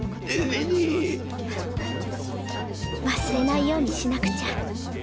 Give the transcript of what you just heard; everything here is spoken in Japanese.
忘れないようにしなくちゃ。